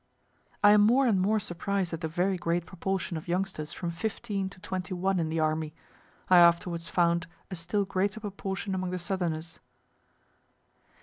(I am more and more surprised at the very great proportion of youngsters from fifteen to twenty one in the army. I afterwards found a still greater proportion among the southerners.)